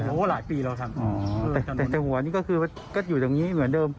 เพราะว่าหลายปีเราทำอ๋อแต่แต่หัวนี่ก็คือว่าก็อยู่ตรงนี้เหมือนเดิม